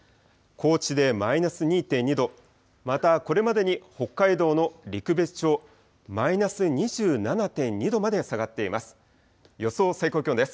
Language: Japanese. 高知でマイナス２．２度、またこれまでに北海道の陸別町、マイナス２７．２度まで下がっています。